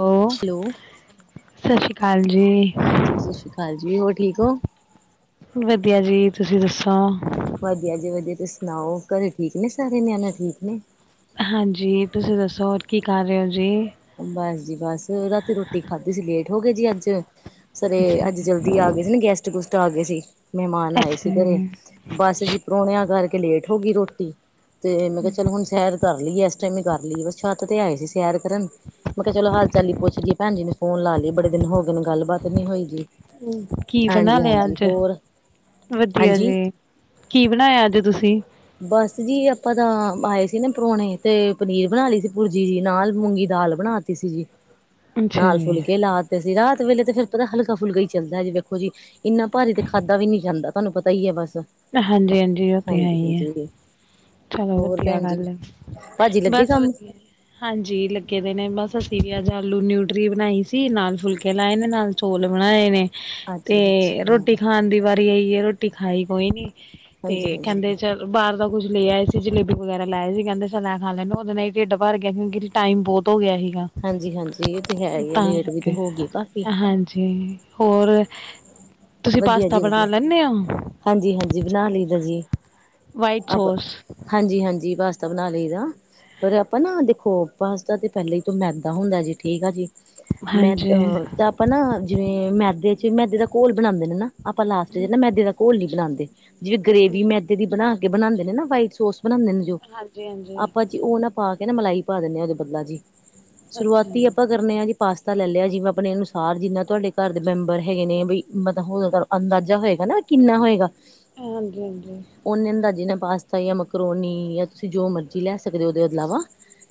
ਓ hello, ਸਤਿ ਸ਼੍ਰੀ ਕਾਲ ਜੀ। ਸਤਿ ਸ਼੍ਰੀ ਹਾਂਜੀ ਹੋਰ ਠੀਕ ਓ? ਵਧੀਆ ਜੀ ਤੁਸੀਂ ਦੱਸੋ? ਵਧੀਆ ਜੀ ਵਧੀਆ ਤੁਸੀਂ ਸੁਣਾਓ ਘਰੇ ਠੀਕ ਨੇ ਸਾਰੇ ਨਿਆਣੇ ਠੀਕ ਨੇ? ਹਾਂਜੀ ਤੁਸੀਂ ਦੱਸੋ ਹੋਰ ਕੀ ਕਰ ਰੇ ਓ ਜੀ? ਬਸ ਜੀ ਬਸ ਰਾਤੀ ਰੋਟੀ ਖਾਧੀ ਸੀ ਲੇਟ ਹੋਗੇ ਜੀ ਅੱਜ ਸਰੇ ਅੱਜ ਜਲ ਦੀ ਆਗੇ ਸੀ ਨਾ ਗੈਸਟ-ਗੁਸਟ ਆਗੇ ਸੀ ਮਹਿਮਾਨ ਆਏ ਅੱਛਾ ਸੀ ਘਰੇ। ਬਸ ਜੀ ਪ੍ਰੋਹਣਿਆਂ ਕਰਕੇ ਲੇਟ ਹੋਗੀ ਰੋਟੀ ਤੇ ਮੈਂ ਕਾ ਚੱਲ ਹੁਣ ਸ਼ੈਰ ਕਰ ਲਈਏ ਇਸ ਟਾਈਮ ਕਰ ਲਈਏ ਬਸ ਛੱਤ ਤੇ ਆਏ ਸੀ ਸੈਰ ਕਰਨ। ਮੈਂ ਕਾ ਚਲੋ ਹਾਲ ਚਾਲ ਈ ਪੁੱਛ [unintelligible] ਭੈਣ ਜੀ ਨੇ ਫੋਨ ਲਾ ਲਈਏ ਬੜੇ ਦਿਨ ਹੋ ਗਏ ਨੇ ਗੱਲਬਤ ਨੀ ਹੋਈ ਗੀ। ਕੀ ਬਣਾ ਲਿਆ ਅੱਜ ਵਧੀਆ ਹਾਂਜੀ। ਜੀ। ਕੀ ਬਣਾਇਆ ਅੱਜ ਤੁਸੀਂ? ਬਸ ਜੀ ਆਪਾਂ ਤਾਂ ਆਏ ਸੀ ਨਾ ਪਰੋਣੇ ਤੇ ਪਨੀਰ ਬਣਾ ਲਈ ਸੀ ਭੁਰਜੀ ਜੀ ਨਾਲ ਮੂੰਗੀ ਦਾਲ। ਬਣਾ ਤੀ ਸੀ ਜੀ ਅੱਛਾ ਨਾਲ ਜੀ। ਫੁਲਕੇ ਲਾ ਤੇ ਸੀ ਰਾਤ ਵੇਲੇ ਫਿਰ ਪਤਾ ਹਲਕਾ ਫੁਲਕਾ ਈ ਚੱਲਦਾ ਜੀ ਵੇਖੋ ਜੀ। ਇੰਨਾ ਭਾਰੀ ਤੇ ਖਾਧਾ ਵੀ ਨੀ ਜਾਂਦਾ ਤੁਹਾਨੂੰ ਪਤਾ ਈ ਐ ਬਸ। ਹਾਂਜੀ-ਹਾਂਜੀ ਓ ਤੇ ਹੈ ਹਾਂਜੀ ਹੀ ਐ। ਹਾਂਜੀ ਚਲੋ ਹੋਰ ਵਧੀਆ ਭੈਣ ਜੀ ਗੱਲ ਐ ਭਾਜੀ ਲੱਗੇ ਬਸ ਕੰਮ ਵਧੀਆ। ਹਾਂਜੀ ਲੱਗੇ ਦੇ ਨੇ ਬਸ ਅਸੀਂ ਵੀ ਅੱਜ ਆਲੂ ਨਿਊਟਰੀ ਬਣਾਈ ਸੀ ਨਾਲ ਫੁਲਕੇ ਲਾਏ ਨੇ ਨਾਲ ਚੋਲ ਬਣਾਏ ਨੇ ਅੱਛਾ ਤੇ ਅੱਛਾ ਰੋਟੀ ਖਾਣ ਦੀ ਵਾਰੀ ਆਈਏ ਰੋਟੀ ਖਾਈ ਕੋਈ ਨੀ ਹਾਂਜੀ ਤੇ ਹਾਂਜੀ ਕੈਂਦੇ ਚਲ ਬਾਰ ਦਾ ਕੁੱਛ ਲੇ ਆਏ ਸੀ ਜਲੇਬੀ ਵਗੈਰਾ ਲਾਏ ਸੀ ਕੈਂਦੇ ਚਲ ਐ ਖਾ ਲੈ ਓਦੇ ਨਾ ਈ ਢਿੱਡ ਭਰ ਗਿਆ ਕਿਉਂਕਿ ਟਾਈਮ ਬੋਤ ਹੋ ਗਿਆ ਸੀਗਾ ਹਾਂਜੀ ਹਾਂਜੀ ਇਹ ਤੇ ਹੈ ਹੀ ਆ ਤਾਂ ਲੇਟ ਵੀ ਤੇ ਕਰਕੇ ਹੋ ਗਏ ਕਾਫੀ ਹਾਂਜੀ। ਹੋਰ? ਤੁਸੀਂ ਵਧੀਆ ਪਾਸਤਾ ਜੀ ਬਣਾ ਵਧੀਆ ਲੈਂਦੇ ਹੋ ਹਾਂਜੀ-ਹਾਂਜੀ ਬਣਾ ਲਈਦਾ ਜੀ ਵਾਈਟ ਆਪ ਸੋਸ ਹਾਂਜੀ-ਹਾਂਜੀ ਪਾਸਤਾ ਬਣਾ ਲਈ ਦਾ। ਪਰ ਆਪਾਂ ਨਾ ਦੇਖੋ ਪਾਸਤਾ ਤੇ ਪਹਿਲੇ ਈ ਤੋਂ ਮੈਦਾ ਹੁੰਦਾ ਜੀ ਠੀਕ ਆ ਜੀ। ਮੈ ਹਾਂਜੀ ਅਹ ਤਾਂ ਆਪਾਂ ਨਾ ਜਿਵੇਂ ਮੈਦੇ ਚ ਮੈਦੇ ਦਾ ਘੋਲ ਬਣਾਂਦੇ ਨੇ ਨਾ। ਆਪਾਂ ਲਾਸਟ ਚ ਨਾ ਮੈਦੇ ਦਾ ਘੋਲ ਨੀ ਬਣਾਂਦੇ ਜਿਵੇਂ ਗਰੇਵੀ ਮੈਦੇ ਦੀ ਬਣਾ ਕੇ ਬਣਾਂਦੇ ਨੇ ਨਾ ਵਾਈਟ ਸੋਸ ਬਣਾਂਦੇ ਜੋ। ਹਾਂਜੀ-ਹਾਂਜੀ ਓਨਾ ਪਾ ਕੇ ਨਾ ਮਲਾਈ ਪਾ ਦਿੰਨੇ ਆ ਓਦਾ ਬਦਲਾ ਜੀ ਅੱਛਾ ਸ਼ੁਰੂਆਤੀ ਜੀ ਆਪਾਂ ਕਰਨੇ ਆ ਜੀ। ਪਾਸਤਾ ਲੈ ਲਿਆ ਜਿਵੇਂ ਆਪਣੇ ਅਨੁਸਾਰ ਜਿੰਨਾ ਤੁਹਾਡੇ ਘਰ ਦੇ ਮੈਂਬਰ ਹੈਗੇ ਨੇ ਬੀ ਮਦ ਹੋ [unintelligible] ਕਰ ਅੰਦਾਜ਼ਾ ਹੋਏਗਾ ਨਾ ਕਿੰਨਾ ਹੋਏਗਾ? ਹਾਂਜੀ-ਹਾਂਜੀ, ਓਨੇ ਅੰਦਾਜ਼ੇ ਨੇ ਪਾਸਤਾ ਜਾਂ ਮਕਰੋਨੀ ਜਾਂ ਤੁਸੀਂ ਜੋ ਮਰਜੀ ਲੈ ਸਕਦੇ ਓ ਓਦੇ ਇਲਾਵਾ।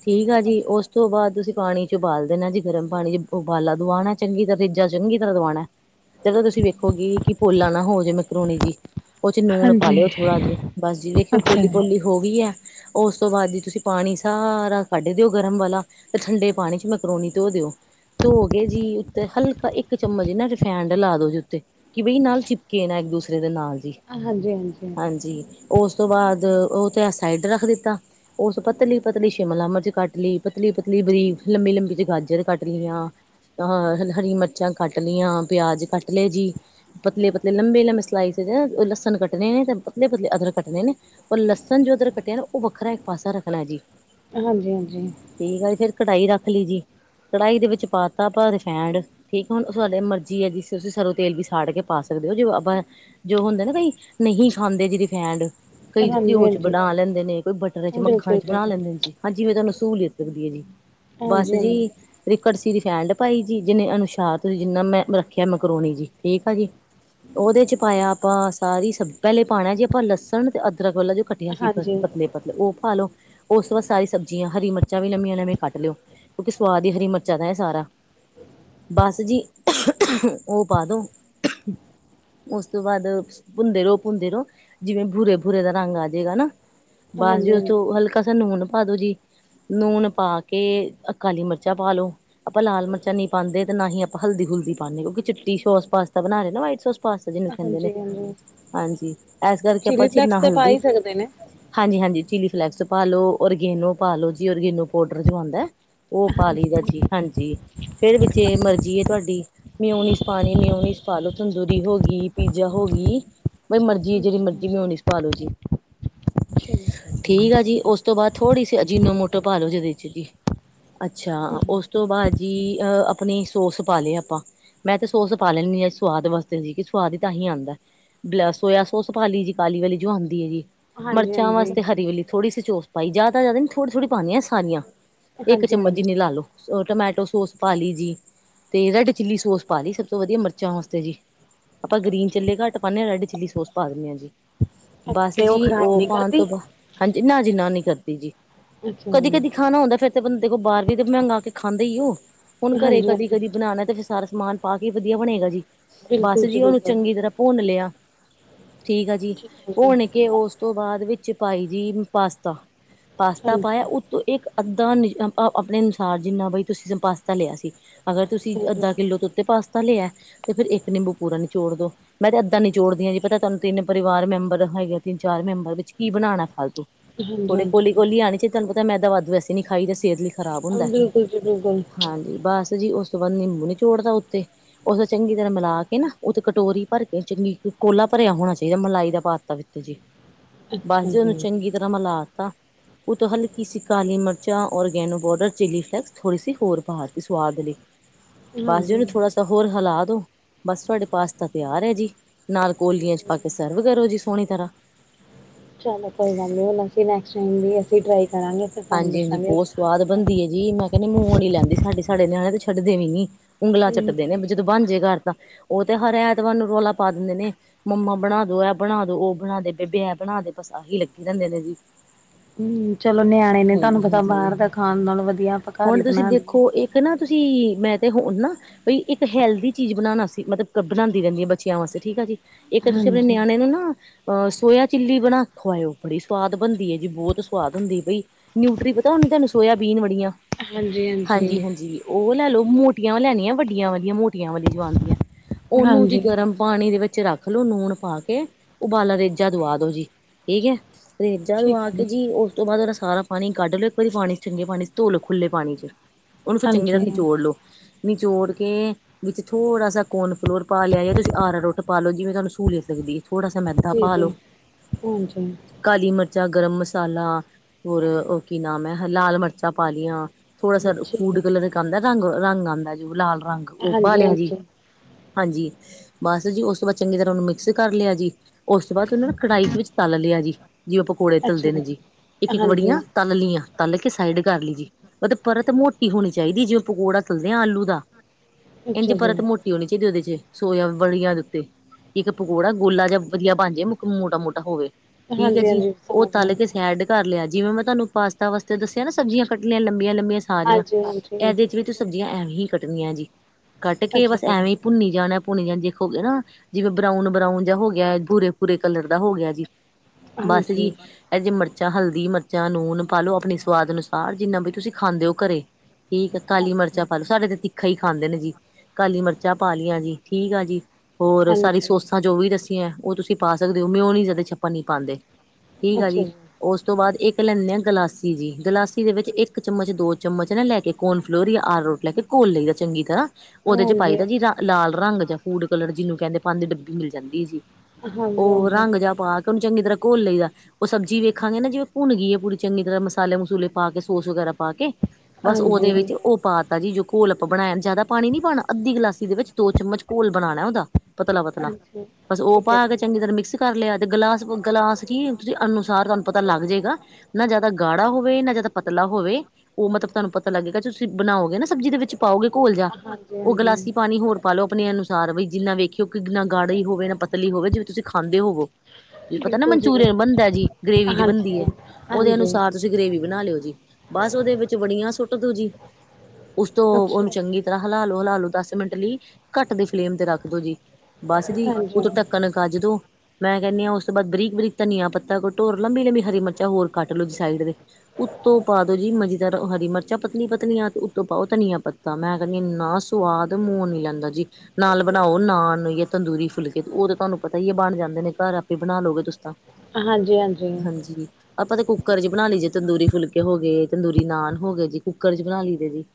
ਠੀਕ ਆ ਜੀ ਅੱਛਾ ਉਸ ਤੋਂ ਬਾਦ ਤੁਸੀਂ ਪਾਣੀ ਚ ਉਬਾਲ ਦੇਣਾ ਜੀ ਗਰਮ ਪਾਣੀ ਚ ਉਬਾਲਾ ਦਵਾਣਾ ਚੰਗੀ ਤਰ੍ਹਾਂ ਚੰਗੀ ਤਰ੍ਹਾਂ ਦਵਾਣਾ। ਜਦੋਂ ਤੁਸੀਂ ਵੇਖੋਗੀ ਕੀ ਪੋਲਾ ਨਾ ਹੋਜੇ ਮਕਰੋਨੀ ਜੀ। ਓ ਚ ਨੂਨ ਪਾ ਹਾਂਜੀ, ਲਿਓ ਥੋੜਾ ਜਾ ਬਸ ਜੀ ਵੇਖਿਓ ਅੱਛਾ ਜੀ। ਪੋਲੀ-ਪੋਲੀ ਹੋਗੀ ਐ? ਓਸ ਤੋਂ ਬਾਆਦ ਜੀ ਤੁਸੀਂ ਪਾਣੀ ਸਾਰਾ ਕੱਢ ਦਿਓ ਗਰਮ ਵਾਲਾ ਠੰਡੇ ਪਾਣੀ ਚ ਮੈਂਕਰੋਨੀ ਧੋ ਦਿਓ ਧੋ ਕੇ ਜੀ ਉੱਤੇ ਹਲਕਾ ਇੱਕ ਚਮਚ ਨਾ ਰਿਫੈਨ ਲਾ ਦੋ ਜੀ ਉੱਤੇ ਕਿ ਬਈ ਨਾਲ ਚਿਪਕੇ ਨਾ ਇੱਕ ਦੂਸਰੇ ਦੇ ਨਾਲ ਜੀ। ਹਾਂਜੀ-ਹਾਂਜੀ, ਹਾਂਜੀ, ਓਸ ਤੋਂ ਬਾਅਦ ਓ ਤੇ ਸਾਈਡ ਰੱਖ ਦਿੱਤਾ। ਉਸ ਪਤਲੀ-ਪਤਲੀ ਸ਼ਿਮਲਾ ਮਿਰਚ ਕੱਟ ਲਈ ਪਤਲੀ-ਪਤਲੀ ਬਰੀਕ ਲੰਬੀ-ਲੰਬੀ ਜੀ ਗਾਜਰ ਕੱਟ ਲਈਆਂ। ਆਹ ਹਰੀ ਮਿਰਚਾਂ ਕੱਟ ਲਈਆਂ ਪਿਆਜ਼ ਕੱਟ ਲਏ ਜੀ। ਪਤਲੇ ਪਤਲੇ, ਲੰਬੇ ਲੰਬੇ, ਸਲਾਈਸ ਲਸਣ ਕੱਟਣੇ ਨੇ ਤੇ ਪਤਲੇ ਪਤਲ, ਅਦਰਕ ਕੱਟਣੇ ਨੇ। ਪਰ ਲਸਣ ਜੋ ਉੱਧਰ ਕੱਟਿਆ ਨਾ ਉਹ ਵੱਖਰਾ ਇੱਕ ਪਾਸਾ ਰੱਖਣਾ ਜੀ। ਹਾਂਜੀ ਹਾਂਜੀ, ਠੀਕ ਆ ਜੀ, ਫਿਰ ਕੜਾਹੀ ਰੱਖ ਲਈ ਜੀ। ਕੜਾਹੀ ਦੇ ਵਿੱਚ ਪਾਤਾ ਆਪਾ ਰਿਫਾਇਂਡ ਠੀਕ ਆ ਹੁਣ ਉਹ ਸਾਡੇ ਮਰਜ਼ੀ ਐ ਜੀ। ਤੁਸੀਂ ਸਰੋਂ ਤੇਲ ਵੀ ਸਾੜ ਕੇ ਪਾ ਸਕਦੇ ਹੋ ਜਿਵੇਂ ਆਪਾਂ। ਜੋ ਹੁੰਦਾ ਨਾ ਬਈ ਨਹੀਂ ਖਾਂਦੇ ਜੀ ਰਿਫੈਂਡ। ਕਈ ਹਾਂਜੀ, ਘਿਓ ਚ ਹਾਂਜੀ। ਬਣਾ ਲੈਂਦੇ ਨੇ ਕੋਈ ਬਟਰ ਚ ਮੱਖਣ ਬਿਲਕੁਲ ਚ ਜੀ, ਬਣਾ ਹਾਂਜੀ, ਲੈਂਦੇ ਨੇ ਜੀ ਹਾਂਜੀ, ਜਿਵੇਂ ਤੁਹਾਨੂੰ ਸਹੂਲੀਅਤ ਹੁੰਦੀ ਐ ਜੀ। ਬੱਸ ਹਾਂਜੀ, ਜੀ ਕੜਛੀ ਰਿਫਾਇਂਡ ਪਾਈ ਜੀ ਜਿੰਨੇ ਅਨੁਸਾਰ ਤੁਸੀਂ ਜਿੰਨਾ ਮੈਂ ਦੇਖਿਆ ਮੈਂ ਮਕਰੋਣੀ ਜੀ ਠੀਕ ਆ ਜੀ। ਉਹਦੇ ਚ ਪਾਇਆ ਆਪਾਂ ਸਾਰੀ ਸਬਜ਼ੀ ਪਹਿਲੇ ਪਾਣਾ ਜੇ ਆਪਾਂ ਲਸਣ ਤੇ ਅਦਰਕ ਵਾਲਾ। ਕੱਟਿਆ ਸੀ ਹਾਂਜੀ, ਪਤਲੇ ਪਤਲੇ ਉਹ ਪਾਲੋ ਉਸ ਤੋਂ ਬਾਅਦ ਸਾਰੀਆਂ ਸਬਜ਼ੀਆਂ ਹਰੀ ਮਿਰਚਾਂ ਵੀ ਲੰਮੀਆਂ ਲੰਮੀਆਂ ਕੱਟ ਲਿਓ। ਕਿਉਂਕਿ ਸਵਾਦ ਹੀ ਹਰੀ ਮਿਰਚਾਂ ਦਾ ਇਹ ਸਾਰਾ ਬਸ ਜੀ। ਓ ਪਾਦੋਂ। ਉਸ ਤੋਂ ਬਾਅਦ ਭੁੰਨਦੇ ਰਹੋ ਭੁੰਨਦੇ ਰਹੋ ਜਿਵੇਂ ਭੂਰੇ ਭੂਰੇ ਦਾ ਰੰਗ ਆ ਜੇਗਾ ਨਾ ਬਸ ਜੀ ਹਾਂਜੀ, ਓ ਚੋ ਹਾਂਜੀ। ਹਲਕਾ ਜਾ ਨੂਨ ਪਾ ਦੋ ਜੀ। ਨੂਣ ਪਾ ਕੇ ਕਾਲੀ ਮਿਰਚਾਂ ਪਾ ਲਓ। ਆਪਾਂ ਲਾਲ ਮਿਰਚਾਂ ਨੀ ਪਾਂਦੇ ਤੇ ਨਾ ਹੀ ਆਪਾਂ ਹਲਦੀ ਹੁਲਦੀ ਪਾਣੀ ਕਿਉਂਕਿ ਚਿੱਟੀ ਸੋਸ ਪਾਸਤਾ ਬਣਾ ਰਹੇ ਨਾ ਵਾਈਟ ਸੋਸ ਪਾਸਤਾ ਜਿਹਨੂੰ ਖਾਂਦੇ ਹਾਂਜੀ, ਨੇ ਹਾਂਜੀ ਹਾਂਜੀ ਇਸ ਕਰਕੇ ਆਪਾਂ ਚਿਲੀ ਏ ਚ ਫਲੈਕਸ ਨਾ ਤੇ ਪਾ ਹਲਦੀ ਹੀ ਸਕਦੇ ਨੇ। ਹਾਂਜੀ ਹਾਂਜੀ, ਚਿੱਲੀ ਫਲੈਕਸ ਪਾ ਲੋ ਓਰਗਨੋ ਪਾ ਲੋ ਜੀ ਓਰਗੇਨੋ ਪਾਊਡਰ ਜੋ ਆਂਦਾ। ਉਹ ਪਾ ਲਈ ਦਾ ਹਾਂਜੀ, ਜੀ ਹਾਂਜੀ ਫਿਰ ਵਿੱਚ ਮਰਜ਼ੀ ਐ ਤੁਹਾਡੀ ਮੀਉਨੀਸ ਪਾਣੀ ਪਾਂ ਲੋ ਤੰਦੂਰੀ ਹੋ ਗਈ ਪੀਜ਼ਾ ਹੋ ਗਈ। ਬਈ ਮਰਜ਼ੀ ਜਿਹੜੀ ਠੀਕ। ਮਰਜ਼ੀ ਮੀਊਨੀਜ ਪਾਲੋ ਜੀ। ਠੀਕ ਆ ਜੀ ਉਸ ਤੋਂ ਬਾਅਦ ਥੋੜ੍ਹੀ ਸੀ ਅਜੀਨੋ ਮੋਟੋ ਪਾਲੋ ਏਦੇ ਚ ਜੀ। ਅੱਛਾ, ਹਾਂਜੀ। ਉਸ ਤੋਂ ਬਾਅਦ ਜੀ ਆਪਣੀ ਸੋਸ ਪਾ ਲਈ ਆਪਾਂ। ਮੈਂ ਤੇ ਸੋਸ ਪਾ ਲੈਣੀ ਆ ਸੁਆਦ ਵਾਸਤੇ ਜੀ ਕਿ ਸੁਵਾਦ ਹੀ ਤਾਂਹੀ ਆਂਦਾ। ਸੋਇਆ ਸੋਸ ਪਾ ਲਈ ਜੀ ਕਾਲੀ ਵਾਲੀ ਜੋ ਹੁੰਦੀ ਆ ਜੀ। ਹਾਂਜੀ, ਮਿਰਚਾਂ ਹਾਂਜੀ ਵਾਸਤੇ ਹਰੀ ਵਾਲੀ ਥੋੜ੍ਹੀ ਸੋਸ ਪਾਈ ਜ਼ਿਆਦਾ ਜ਼ਿਆਦਾ ਨੀ ਥੋੜੀ ਥੋੜ੍ਹੀ ਪਾਉਦੀਆਂ ਸਾਰੀਆਂ। ਇੱਕ ਚਮਚ ਹਾਂਜੀ ਜਿੰਨੀ ਲਾ ਲੋ ਟਮੈਟੋ ਸੋਸ ਪਾ ਲਈ ਜੀ ਤੇ ਇਹਦਾ ਚਿੱਲੀ ਸੋਸ ਪਾ ਲਈ ਸਭ ਤੋਂ ਵਧੀਆ ਮਿਰਚਾਂ ਵਾਸਤੇ ਜੀ। ਆਪਾਂ ਗ੍ਰੀਨ ਚਿੱਲੇ ਘੱਟ ਪਾਣੇ ਆ ਰੈਡ ਚਿੱਲੀ ਸੋਸ ਪਾ ਦਿੰਦੇ ਹਾਂ ਜੀ ਬਸ ਤੇ ਜੀ ਖ਼ਰਾਬ ਉਹ ਨੀ ਪਾਉਣ ਕਰਦੀ। ਤੋਂ ਬਾਅਦ ਹਾਂਜੀ, ਨਾ ਜੀ ਨਾ ਨੀ ਕਰਦੀ ਜੀ ਅੱਛਾ ਜੀ, ਕਦੀ ਕਦੀ ਖਾਣਾ ਹੁੰਦਾ ਫੇਰ ਤੇ ਬੰਦੇ ਕੋਲ ਬਾਹਰ ਵੀ ਤੇ ਮੰਗਾ ਕੇ ਖਾਂਦੇ ਹੀ ਉਹ ਹੁਣ ਘਰੇ ਹਾਂਜੀ, ਕਦੀ ਹਾਂਜੀ ਕਦੀ ਬਣਾਣਾ ਤੇ ਫਿਰ, ਸਾਰਾ ਸਮਾਨ ਪਾ ਕੇ ਵਧੀਆ ਬਣੇਗਾ ਜੀ ਬਸ ਬਿਲਕੁਲ ਜੀ ਉਹਨੂੰ ਬਿਲਕੁਲ। ਚੰਗੀ ਤਰ੍ਹਾਂ ਭੁੰਨ ਲਿਆ ਠੀਕ ਆ ਜੀ ਠੀਕ ਹੈ ਜੀ, ਭੁੰਨ ਕੇ ਉਸ ਉਸ ਤੋਂ ਬਾਅਦ ਵਿੱਚ ਪਾਈ ਜੀ ਪਾਸਤਾ ਪਾਸਤਾ ਪਾਇਆ ਹਾਂਜੀ, ਇੱਕ ਅੱਧਾ ਨ ਆਪਣੇ ਅਨੁਸਾਰ ਜਿੰਨਾ ਬਈ ਤੁਸੀਂ ਪਾਸਤਾ ਲਿਆ ਸੀ ਅਗਰ ਤੁਸੀਂ ਹਾਂਜੀ, ਅੱਧਾ ਕਿੱਲੋ ਤ ਉੱਤੇ ਪਾਸਤਾ ਲਿਆ ਤੇ ਫਿਰ ਇੱਕ ਨਿੰਬੂ ਪੂਰਾ ਨੀਚੋੜ ਦੋ ਮੈਂ ਤੇ ਇੱਦਾਂ ਨੀਚੋੜਦੀ ਹਾਂ ਜੀ ਪਤਾ ਤੁਹਾਨੂੰ ਤਿੰਨ ਪਰਿਵਾਰ ਮੈਂਬਰ ਹੈਗੇ ਤਿੰਨ ਚਾਰ ਮੈਂਬਰ ਵਿੱਚ ਕੀ ਬਣਾਉਣਾ ਫ਼ਾਲਤੂ ਹਾਂਜੀ, ਥੋੜੇ ਕੋਲੀ ਕੋਲੀ ਆਣੀ ਸੀ ਤਹਾਨੂੰ ਪਤਾ ਮੈਦਾ ਵੱਧ ਵੈਸੇ ਨੀ ਖਾਈ ਜਾਂ ਸਿਹਤ ਲਈ ਖ਼ਰਾਬ ਹੁੰਦਾ ਹਾਂਜੀ ਬਿਲਕੁਲ ਜੀ ਬਿਲਕੁਲ। ਹਾਂਜੀ ਬੱਸ ਜੀ ਉਸ ਤੋਂ ਬਾਅਦ ਨਿੰਬੂ ਨਿਚੋੜਦਾ ਉੱਤੇ ਉਸੇ ਚੰਗੀ ਤਰ੍ਹਾਂ ਮਿਲਾ ਕੇ ਨਾ ਉ ਤੇ ਕਟੋਰੀ ਭਰ ਕੇ ਚੰਗੀ ਕੋਲਾ ਭਰਿਆ ਹੋਣਾ ਚਾਹੀਦਾ ਮਲਾਈ ਦਾ ਪਾਤਾ ਵਿੱਚ ਜੇ ਅੱਛਾ ਬਸ ਉਹਨੂੰ ਜੀ। ਚੰਗੀ ਤਰ੍ਹਾਂ ਮਲਾ ਤਾ ਉਹ ਤੋਂ ਹਲਕੀ ਸੀ ਕਾਲੀ ਮਿਰਚਾਂ ਔਰਗੈਨੋ ਪਾਊਡਰ ਚਿੱਲੀ ਫਲੈਕਸ ਥੋੜ੍ਹੀ ਸੀ ਹੋਰ ਪਾਤੀ ਸਵਾਦ ਲਈ ਬੱਸ ਜੀ ਹਾਂਜੀ ਉਹਨੂੰ ਥੋੜਾ ਸਾ ਹੋਰ ਹਾਲਾਦੋ ਬਸ ਤੁਹਾਡੇ ਪਾਸਤਾ ਤਿਆਰ ਹੈ ਜੀ ਨਾਲ ਕੋਲੀਆਂ ਚ ਪਾ ਕੇ ਸਰਵ ਕਰੋ ਜੀ ਸੋਹਣੀ ਤਰ੍ਹਾਂ ਚਲੋ ਕੋਈ ਗੱਲ ਨ ਹੁਣ ਅਸੀਂ ਨੈਕਸ ਟਾਇਮ ਵੀ ਅਸੀਂ ਟਰਾਈ ਕਰਾਂਗੇ ਫਿਰ ਤੁਹਾਨੂੰ ਹਾਂਜੀ ਹਾਂਜੀ ਦੱਸਾਂਗੇ ਬਹੁੱਤ ਸਵਾੱਦ ਅਸੀਂ ਬਣਦੀ ਹੈ ਜੀ ਮੈਂ ਕਹਿੰਦੀ ਮੂੰਹੋ ਨੀ ਲੈਂਦੀ ਸਾਡੀ ਸਾਡੇ ਨਿਆਣੇ ਤੇ ਛੱਡਦੇ ਵੀ ਨੀ ਉਂਗਲਾਂ ਚੱਟਦੇ ਨੇ ਜਦੋਂ ਬਣ ਜੇ ਘਰ ਤਾਂ ਉਹ ਤੇ ਹਰ ਐਤਵਾਰ ਨੂੰ ਰੌਲਾ ਪਾ ਦਿੰਦੇ ਨੇ ਮੰਮਾ ਬਣਾ ਦੋ ਐ ਬਣਾ ਦੋ ੳਹ ਬਨਾ ਦੇ ਬੇਬੇ ਏ ਬਣਾ ਦੇ ਬਸ ਆਹੀ ਲੱਗੀ ਰਹਿੰਦੇ ਨੇ ਜੀ ਚਲੋ ਨਿਆਣੇ ਨੇ ਤੁਹਾਨੂੰ ਪਤਾ ਹਾਂਜੀ-ਹਾਂਜੀ ਬਾਹਰ ਦਾ ਖਾਣ ਨਾਲੋ ਵਧੀਆ ਆਪਾ ਘਰ ਹੀ ਬਣਾ ਲਈਏ ਕਹ ਨਾ ਤੁਸੀਂ ਮੈਂ ਤੇ ਹੋੁਣ ਨਾ ਬਈ ਇੱਕ ਹੈਲਦੀ ਚੀਜ਼ ਬਣਾਉਣਾ ਸੀ ਮਤਲਬ ਹੁੰਦੀ ਰਹਿੰਦੀ ਬੱਚਿਆਂ ਵਾਸਤੇ ਠੀਕ ਆ ਜੀ ਇੱਕ ਦੂਸੇ ਹਾਂਜੀ ਨਿਆਣੇ ਨੂੰ ਨਾ ਸੋਇਆ ਚਿੱਲੀ ਬਣਾ ਕੇ ਖਵਾਇਓ ਬੜੀ ਸਵਾਦ ਬਣਦੀ ਹ ਜੀ ਬਹੁਤ ਸਵਾਦ ਹੁੰਦੀ ਬਈ ਨਿਊਟਰੀ ਵਧਾਉਣੀ ਤੁਹਾਨੂੰ ਸੋਇਆਬੀਨ ਬੜੀਆਂ ਹਾਂਜੀ ਉਹ ਲੈ ਲਓ ਮੋਟੀਆਂ ਲੈਣੀਆਂ ਵੱਡੀਆਂ ਵਧੀਆਂ ਮੋਟੀਆਂ ਵਾਲੀ ਜਵਾਨੀ ਦੀਆਂ ਓਹਨੂ ਜੀ ਹਾਂਜੀ ਗਰਮ ਪਾਣੀ ਦੇ ਵਿੱਚ ਰੱਖ ਲਓ ਲੂਣ ਪਾ ਕੇ ਉਬਾਲਾ ਰੇਜਾ ਦਵਾ ਦਓ ਜੀ ਠੀਕ ਹ ਰੇਜਾ ਠੀਕ ਦਵਾ ਹੈ ਕੇ ਜੀ ਉਸ ਤੋ ਬਾਅਦ ਇਹਦਾ ਸਾਰਾ ਪਾਣੀ ਕੱਢ ਲਿਓ ਇੱਕ ਵਾਰੀ ਪਾਣੀ ਚੰਗੇ ਪਾਣੀ ਚ ਖੁੱਲੇ ਪਾਣੀ ਚ ੳਹਨੂ ਫਿਰ ਚੰਗੀ ਤਰਾ ਹਾਂਜੀ ਨਿਚੋੜ ਲੋ ਨਿਚੋੜ ਕੇ ਵਿਚ ਥੋੜਾ ਜਿਹਾ ਕੋਨ ਫਲੋਰ ਪਾ ਲਿਆ ਤੁਸੀਂ ਅਰਾਰੋਟ ਪਾ ਲਓ ਜਿਵੇਂ ਤੁਹਾਨੂੰ ਸੂਲਤ ਲਗਦੀ ਏ ਥੋੜਾ ਸਾ ਮੈਂਦਾ ਜੀ ਪਾ ਜੀ ਲਓ ਹਾਂਜੀ ਕਾਲੀ ਮਿਰਚਾਂ ਗਰਮ ਮਸਾਲਾ ਹੋਰ ਕੀ ਨਾਮ ਹੈ ਹਲਾਲ ਮਰਚਾ ਪਾ ਲੀਆ ਥੋੜਾ ਸਾ ਠੀਕ ਫੂਡ ਹੈ ਕਲਰ ਇਕ ਆਦਾ ਰੰਗ ਰੰਗ ਆਦਾ ਜੀ ਲਾਲ ਰੰਗ ਉਹ ਰੰਗ ਪਾ ਹਾਂਜੀ ਲਿਆ ਜੀ ਹਾਂਜੀ ਹਾਂਜੀ ਮਾਸਟਰ ਜੀ ਉਸ ਤੋਂ ਬਾਅਦ ਚੰਗੀ ਤਰ੍ਹਾਂ ਉਹਨੂੰ ਮਿਕਸ ਕਰ ਲਿਆ ਜੀ ਉਸ ਤੋਂ ਬਾਅਦ ਉਹਨਾਂ ਨੂੰ ਕੜਾਈ ਚ ਤਲ ਲਿਆ ਜੀ ਜਿਵੇ ਪਕੋੜੇ ਤਲਦੇ ਨੇ ਜੀ ਇੱਕ ਇੱਕ ਹਾਂਜੀ ਵੜੀਆਂ ਤਲ ਲਈਆਂ ਤਲ ਕੇ ਸਾਈਡ ਕਰ ਲਈ ਜੀ ਪਰਤ ਮੋਤੀ ਹੋਣੀ ਚਾਹੀਦੀ ਜਿਵੇ ਪਕੋੜਾ ਤਲਦੇ ਆਲੂ ਦਾ ਇੰਜ ਅੱਛਾ ਜੀ ਪਰਤ ਮੋਟ ਵਿਚ ਸੋਇਆ ਵੜੀਆ ਉਤੇ ਇੱਕ ਪਕੌੜਾ ਗੋਲਾ ਜਿਹਾ ਵਧੀਆ ਬਣ ਜਾਏ ਮੋਟਾ ਮੋਟਾ ਹੋਵੇ ਠੀਕ ਹਾਂਜੀ ਹੈ ਜੀ ਹਾਂਜੀ ਉਹ ਸਮਝ ਗਏ ਤਾਲੇ ਕੇ ਐਡ ਕਰ ਲਿਆ ਜਿਵੇਂ ਮੈਂ ਤੁਹਾਨੂੰ ਪਾਸਾ ਵਾਸਤੇ ਦੱਸਿਆ ਨਾ ਸਬਜੀਆਂ ਕੱਢਣੀਆਂ ਲੰਬੀਆਂ ਲੰਬੀਆਂ ਸਾਰੀਆਂ ਹਾਂਜੀ ਹਾਂਜੀ ਇਹਦੇ ਚ ਵੀ ਤੁਸੀਂ ਸਬਜੀਆਂ ਐਵੇਂ ਹੀ ਕੱਢਣੀਆਂ ਜੀ ਕੱਢ ਕੇ ਅੱਛਾ ਬਸ ਜੀ ਐਵੇਂ ਹੀ ਭੁੰਨੀ ਜਾਣਾ ਹੁਣੇ ਦੇਖੋ ਗੇ ਨਾ ਜਿਵੇਂ ਬਰਾਊਨ ਬਰਾਊਨ ਜਿਹਾ ਹੋ ਗਿਆ ਪੂਰੇ ਪੂਰੇ ਕਲਰ ਦਾ ਹੋ ਗਿਆ ਜੀ ਬਸ ਜੀ ਹਾਂਜੀ ਇਹਦੀ ਮਿਰਚਾਂ ਹਲਦੀ ਮਿਰਚਾਂ ਨੂਨ ਪਾ ਲਓ ਬਾਦਲ ਸਾਹਿਬ ਜੀ ਨਵੀ ਤੁਸੀਂ ਖਾਂਦੇ ਹੋ ਘਰੇ ਠੀਕ ਹ ਕਾਲੀ ਮਿਰਚਾਂ ਹਾਂਜੀ ਪਾ ਲਓ ਸਾਰੇ ਤੀ ਕਈ ਖਾਂਦੇ ਨੇ ਜੀ ਕਾਲੀ ਮਿਰਚਾਂ ਪਾ ਲਈਆਂ ਜੀ ਠੀਕ ਆ ਜੀ ਹੋਰ ਸਾਰੀ ਹਾਂਜੀ ਸੋਸਾਂ ਜੋ ਵੀ ਉਹ ਤੁਸੀਂ ਪਾ ਸਕਦੇ ਹੋ ਮੳਨ ਉਹੀ ਜਿਆਦਾ ਚੱਪਾ ਨਹੀਂ ਪਾਂਦੇ ਠੀਕ ਆ ਜੀ ਉਸ ਤੋਂ ਬਾਅਦ ਇੱਕ ਲੈਨੇ ਆ ਗਲਾਸੀ ਜੀ ਗਲਾਸੀ ਦੇ ਵਿੱਚ ਇੱਕ ਚਮਚ ਦੋ ਚਮਚ ਨਾ ਲੈ ਕੇ ਕੌਣ ਫਲੋਰੀ ਆਰ ਰੋਡ ਲੈ ਕੇ ਘੋਲ ਲਈ ਚੰਗੀ ਤਰ੍ਹਾਂ ਉਹਦੇ ਚ ਹਾਂਜੀ, ਪਾਈਦਾ ਜੀ ਲਾਲ ਰੰਗ ਜਿਹਾ ਫੂਡ ਕਲਰ ਜਿਹਨੂੰ ਕਹਿੰਦੇ ਪੰਜ ਡੱਬੀ ਮਿਲ ਜਾਦੀ ਜੀ ਹਾਂਜੀ, ਉਹ ਹਾਂਜੀ, ਰੰਗ ਜਾ ਪਾ ਕੇ ਉਹਨੂੰ ਚੰਗੀ ਤਰ੍ਹਾਂ ਘੋਲ ਲਈਦਾ ਉਹ ਸਬਜੀ ਖਾਗੇ ਨਾ ਜਿਵੇਂ ਭੁੰਨ ਗਈ ਹ ਪੂਰੀ ਚੰਗੀ ਤਰਾਂ ਮਸਾਲੇ ਮਸੂਲੇ ਪਾ ਕੇ ਸੂਸ ਵਗੈਰਾ ਪਾ ਕੇ ਬਸ ਉਹਦੇ ਹਾਂਜੀ, ਵਿੱਚ ਉਹ ਪਾ ਅਸੀਂ ਜੋ ਘੋਲ ਆਪਾਂ ਬਣਾਇਆ ਜਿਆਦਾ ਪਾਣੀ ਨਹੀਂ ਪਾਉਣਾ ਅੱਧੀ ਗਲਾਸੀ ਦੇ ਵਿੱਚ ਦੋ ਚਮਚ ਘੋਲ ਬਣਾਉਣਾ ਉਹਦਾ ਪਤਲਾ ਪਤਲਾ ਹਾਂਜੀ, ਬਸ ਉਹ ਠੀਕ ਹੈ ਪਕੇ ਤੇ ਜੀ, ਚੰਗੀ ਤਰਾਂ ਮਿਕਸ ਧਰ ਲਿਆ ਤੇ ਗਲਾਸ ਗਲਾਸ ਜੀ ਅਨੁਸਾਰ ਤੁਹਾਨੂੰ ਪਤਾ ਲੱਗ ਜਾਏਗਾ ਨਾ ਜਿਆਦਾ ਗਾੜਾ ਹੋਵੇ ਨਾ ਜਿਆਦਾ ਪਤਲਾ ਹੋਵੇ ਉਹ ਮਤਲਬ ਤੁਹਾਨੂੰ ਪਤਾ ਲੱਗੇਗਾ ਤੁਸੀਂ ਬਣਾਓਗੇ ਨਾ ਸਬਜੀ ਦੇ ਵਿੱਚ ਪਾਓਗੇ ਘੋਲ ਜਾ ਹਾਂਜੀ, ਉਹ ਹਾਂਜੀ, ਗਲਾਸੀ ਪਾਣੀ ਹੋਰ ਪਾ ਲਓ ਆਪਣੇ ਅਨੁਸਾਰ ਬਈ ਜਿੰਨਾਂ ਵੇਖਿਓ ਕਿੰਨਾ ਗਾੜੀ ਹੋਵੇ ਨਾ ਪਤਲੀ ਤਲੀ ਹੋਵੇ ਜਿਵੇਂ ਤੁਸੀਂ ਖਾਂਦੇ ਹੋਵੋ ਇਹ ਪਤਾ ਨਹੀਂ ਬਿਲਕੁਲ ਜੀ, ਮਨਚੂਰੀ ਮੰਨਦਾ ਜੀ ਕਿਵੇ ਜਹੀ ਹਾਂਜੀ, ਬੰਦੀ ਹ ਉਹਦੇ ਹਾਂਜੀ, ਅਨੁਸਾਰ ਤੁਸੀਂ ਗਰੇਵੀ ਬਣਾ ਲਿਓ ਜੀ ਬਸ ਉਹਦੇ ਵਿੱਚ ਵੜੀਆਂ ਸੁੱਟ ਦੋ ਜੀ ਉਸ ਤੋਂ ਅੱਛਾ ਉਹਨੂੰ ਜੀ, ਜਰਾ ਹਾਲਾ ਲਓ ਹਾਲਾ ਲਓ ਦਸ ਮਿੰਟ ਲਇ ਘੱਟ ਦੀ ਫਲੇਮ ਤੇ ਰੱਖ ਦੋ ਜੀ ਬਸ ਜੀ ਹਾਂਜੀ, ਉਤੋਂ ਢਕਨ ਨਾਲ ਕਜ ਦੋ ਮੈਂ ਕਹਿੰਦੀ ਆ ਉਸ ਤੋਂ ਬਾਅਦ ਬਰੀਕ ਬਰੀਕ ਧਨੀਆ ਪੱਤਾ ਢੋਰ ਲੰਮੀ ਲੰਮੀ ਹਰੀ ਮੱਚਾ ਹੋਰ ਕੱਟ ਲਓ ਸਾਈਡ ਤੇ ਉੱਤੋਂ ਪਾ ਦੋ ਜੀ ਮਜੀਦਾਰ ਹਰੀ ਚਾ ਪਕਨੀ ਪਤਨੀਆ ਉਤੋ ਪਾਓ ਧਨੀਆ ਪਤਾ ਮੈ ਕਹਿਣੀ ਅ ਐਨਾ ਸਵਾਦ ਮੂੰ ਨਹੀਂ ਲੈਂਦਾ ਜੀ ਨਾਲ ਬਣਾਓ ਨਾਨ ਜਾ ਤੰਦੂਰੀ ਫੁਲਕੇ ਤੇ ਉਹ ਤੁਹਾਨੂੰ ਪਤਾ ਹੀ ਬਣ ਜਾਂਦੇ ਨੇ ਘਰ ਆਪੇ ਬਣਾ ਲੋਗੇ ਤੁਸੀਂ ਤਾਂ ਹਾਂਜੀ ਹਾਂਜੀ ਹਾਂਜੀ ਆਪਾਂ ਤੇ ਕੁੱਕਰ ਚ ਬਣਾ ਲਈ ਜੇ ਤੰਦੂਰੀ ਫੁਲਕੇ ਹੋ ਗਏ ਤੰਦੂਰੀ ਨਾਨ ਹੋ ਗਏ ਜੀ ਕੁੱਕਰ ਚ ਬਣਾ ਲਈੀਏੇ ਜੀ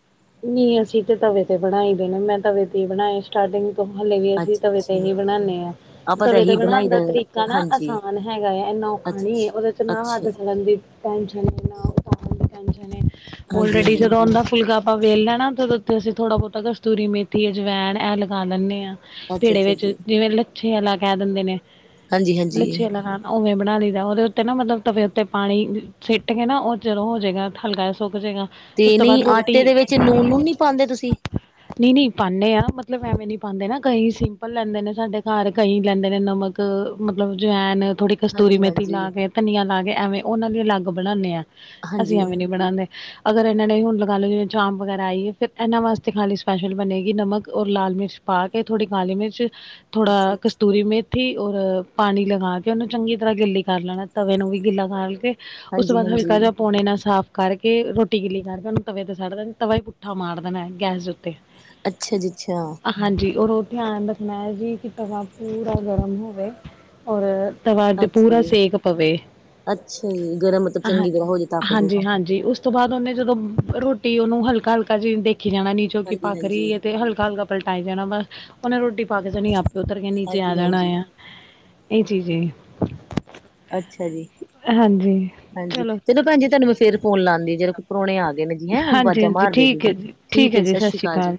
ਨਹੀਂ ਅਸੀਂ ਤੇ ਤਵੇ ਤੇ ਬਣਾਈ ਦੇਣੇ ਮੈਂ ਤਵੇ ਤੇ ਹੀ ਬਣਾਏ ਸਟਾਰਟਿੰਗ ਹਾਲੇ ਵੀ ਅਸੀਂ ਅੱਛਾ ਤਵੇ ਤੇ ਅੱਛਾ ਹੀ ਬਣਾਉਂਦੇ ਹਾਂ ਆਪਾਂ ਤਾਂ ਤਵੇ ਦਾ ਇਹੀ ਬਣਾਈ ਬਣਾਉਣ ਦਾ ਤਰੀਕਾ ਨਾ ਹਾਂਜੀ ਆਸਾਨ ਹੈਗਾ ਆ ਇੰਨਾ ਔਖਾ ਨੀ ਹੈ ਅੱਛਾ ਉਹਦੇ ਚ ਨਾ ਅੱਛਾ ਹੱਦ ਸੜਨ ਦੀ ਟੈਂਸ਼ਨ ਹੈ ਨਾ ਉਹ ਤਾਂ ਬੜੀ ਹੀ ਟੈਂਸ਼ਨ ਹੈ ਹਾਂਜੀ ਅੱਲਸਰੇਡੀ ਹਾਂਜੀ ਜਦੋਂ ਦਾ ਫੁਲਕਾ ਵੇਲਣਾ ਨਾ ਜਦੋ ਤੂੰਸੀਂ ਥੋੜ੍ਹਾ ਬਹੁਤਾ ਕਤੂਰੀ ਮੇਥੀ ਅਜਵੈਣ ਇਹ ਲਗਾ ਲੈਂਦੇ ਹਾਂ ਅੱਛਾ ਪੀੜੇ ਅੱਛਾ ਵਿੱਚ ਜੀ ਜਿਵੇਂ ਲੱਛੇ ਵਾਲਾ ਕਹਿ ਦਿੰਦੇ ਨੇ ਹਾਂਜੀ ਹਾਂਜੀ ਲੱਛੇ ਵਾਲਾ ਖ ਉਵੇਂ ਬਣਾ ਲਈ ਦਾ ਉਹਦੇ ਉੱਤੇ ਨਾ ਮਤਲਬ ਤਵੇੇ ਉੱਤੇ ਪਾਣੀ ਛੀਟ ਕੇ ਨਾ ਉਹ ਚਲੋਂ ਹੋ ਜਾਏਗਾ ਹਲਕਾ ਸੁੱਕ ਜਾਏਗਾ ਤੇ ਉਸ ਤੋਂ ਬਾਅਦ ਨਹੀਂ ਆਟੇ ਦੇ ਵਿੱਚ ਨੂਨ ਨੂਨ ਨੀ ਪਾਉਂਦੇ ਤੁਸੀਂ ਨਹੀਂ ਨਹੀਂ ਪਾਉਂਦੇ ਆ ਮਤਲਬ ਐਵੇਂ ਨੀ ਪਾਉਂਦੇ ਨਾ ਕਈ ਸਿੰਪਲ ਲੈਂਦੇ ਨੇ ਸਾਡੇ ਘਰ ਕਈ ਲੈਂਦੇ ਨੇ ਨਮਕ ਇੱਕ ਮਤਲਬ ਜਵੈਣ ਥੋੜੀ ਕਸਤੂਰੀ ਹਾਂਜੀ ਮੇਥੀ ਲਾ ਹਾਂਜੀ ਕੇ ਧਨੀਆ ਲਾ ਕੇ ਐਵੇਂ ਉਹਨਾਂ ਲਈ ਅਲੱਗ ਬਣਾਉਂਦੇ ਆ ਅਸੀਂ ਹਾਂਜੀ ਐਵੇਂ ਨੀ ਬਣਾਉਂਦੇ ਅਗਰ ਇਹਨਾਂ ਨੇ ਹੁਣ ਚਾਪ ਫਿਰ ਇਹਨਾਂ ਵਾਸਤੇ ਖਾਲੀ ਸਪੈਲ ਬਣੇਗੀ ਨਮਕ ਲਾਲ ਮਿਰਚ ਪਾ ਕੇ ਥੋੜੀ ਕਾਲੀ ਮਿਰਚ ਥੋੜਾ ਅੱਛਾ ਅੱਛਾ ਕਸਤੂਰੀ ਮੇਥ ਥੀ ਔਰ ਪਾਣੀ ਲਗਾ ਕੇ ਉਹਨੂੰ ਚੰਗੀ ਤਰ੍ਹਾਂ ਗਿੱਲੀ ਕਰ ਲੈਣਾ ਤਵੇ ਨੂੰ ਵੀ ਗਿੱਲਾ ਕਰਕੇ ਉਸ ਤੋਂ ਹਾਂਜੀ ਬਾਅਦ ਹਲਕਾ ਹਾਂਜੀ ਜਿਆ ਪਾੌਣੇ ਨਾਲ ਸਾਫ਼ ਕਰਕੇ ਰੋਟੀ ਗਿੱਲੀ ਕਰਕੇ ਉਹਨੂੰ ਤਵੇ ਤੇ ਸੱੜ ਦੇਨ ਤਵਾ ਹੀ ਪੁੱਠਾ ਮਾਰ ਦੇਣਾ ਗੈਸ ਦੇ ਉੱਤੇ ਅੱਛਾ ਜੀ ਅੱਛਾ ਹਾਂਜੀ ਔਰ ਉਹ ਧਿਆਨ ਰੱਖਣਾ ਜੀ ਕਿ ਤਵਾ ਪੂਰਾ ਗਰਮ ਹੋਵੇ ਔਰ ਤਵ ਤੇ ਅੱਛਾ ਪੂਰਾ ਜੀ ਸੇਕ ਪਵੇ ਅੱਛਾ ਜੀ ਗਰਮ ਮਤਲਬ ਹਾਂ ਚੰਗੀ ਤਰ੍ਹਾਂ ਹੋ ਜਾ ਤਾਂ ਹਾਂਜੀ ਹਾਂਜੀ ਉਸ ਉਸ ਤੋਂ ਬਾਅਦ ਉਹਨੇ ਜਦੋਂ ਰੋਟੀ ਉਹਨੂੰ ਹਲਕਾ ਹਲਕਾ ਜਿਹੀ ਦੇਖੀ ਜਾਣਾ ਨੀਚੋਂ ਕਿ ਹਾਂਜੀ ਪਾਕ ਰਹੀ ਹਾਂਜੀ ਹੈ ਤੇ ਹਲਕਾ ਹਲਕਾ ਪਲਟਾਈ ਜਾਣਾ ਬਸ ਉਹਨੇ ਰੋਟੀ ਪਾਕ ਜਾਨੀ ਆਪੇ ਉੱਤਰ ਕੇ ਨੀਚੇ ਆ ਹਾਂਜੀ ਜਾਣਾ ਹਾਂਜੀ ਆ ਇਹ ਜੀ ਜੀ ਅੱਛਾ ਜੀ ਹਾਂਜੀ ਚਲੋ ਭੈਣ ਜੀ ਤੁਹਾਨੂੰ ਮੈ ਫੇਰ ਫੋਨ ਲਾਉਂਦੀ ਜਦੋਂ ਪ੍ਰਾਹੁਣੇ ਆ ਗਏ ਨੇ ਹੈਂ ਆਵਾਜ਼ਾਂ ਮਾਰਦੇ ਸੀ ਠੀਕ ਹੈ ਜੀ ਸਤਿ ਸ੍ਰੀ ਅਕਾਲ ਜੀ